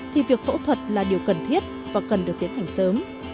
thì việc phẫu thuật là điều cần thiết và cần được tiến hành sớm